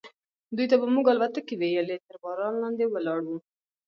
دوی ته به موږ الوتکې ویلې، تر باران لاندې ولاړ و.